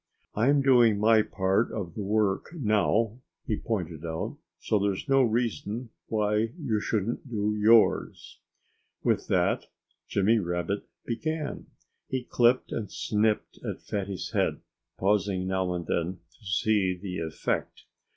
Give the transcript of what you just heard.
"I'm doing my part of the work now," he pointed out. "So there's no reason why you shouldn't do yours." With that Jimmy Rabbit began. He clipped and snipped at Fatty's head, pausing now and then to see the effect.